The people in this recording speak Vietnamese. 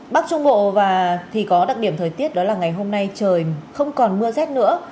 bắc trung bộ có đặc điểm thời tiết là ngày hôm nay trời không còn mưa rét nữa